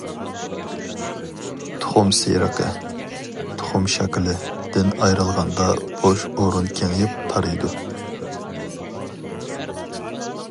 « تۇخۇم سېرىقى»« تۇخۇم شاكىلى» دىن ئايرىلغاندا، بوش ئورۇن كېڭىيىپ، تارىيىدۇ.